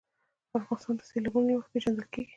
افغانستان د سیلابونه له مخې پېژندل کېږي.